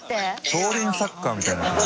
「少林サッカー」みたいになってる。